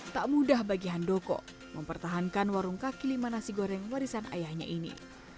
tak mudah bagi handoko mempertahankan warung kaki lima nasi goreng warisan ayahnya ini